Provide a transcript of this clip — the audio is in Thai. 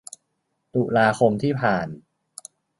ตุลาคมที่ผ่าน